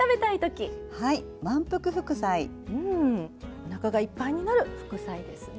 おなかがいっぱいになる副菜ですね。